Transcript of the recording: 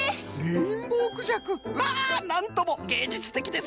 まあなんともげいじゅつてきですな。